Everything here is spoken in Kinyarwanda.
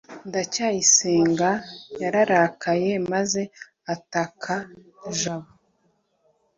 ndacyayisenga yararakaye maze ataka jabo